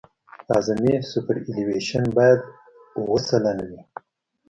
اعظمي سوپرایلیویشن باید اوه سلنه وي